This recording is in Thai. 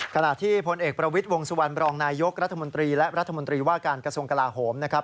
ขณะที่พลเอกประวิทย์วงสุวรรณบรองนายยกรัฐมนตรีและรัฐมนตรีว่าการกระทรวงกลาโหมนะครับ